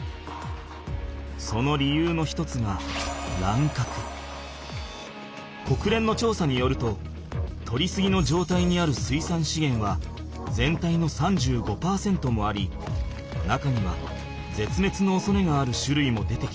その理由の一つがこくれんのちょうさによるととりすぎの状態にある水産資源は全体の３５％もあり中にはぜつめつのおそれがあるしゅるいも出てきている。